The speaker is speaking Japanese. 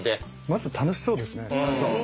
まず楽しそうですね。